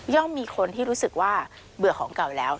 มีคนที่รู้สึกว่าเบื่อของเก่าแล้ว